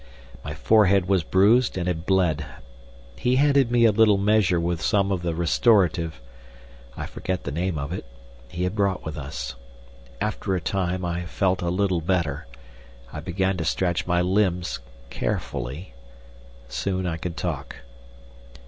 My forehead was bruised and had bled. He handed me a little measure with some of the restorative—I forget the name of it—he had brought with us. After a time I felt a little better. I began to stretch my limbs carefully. Soon I could talk.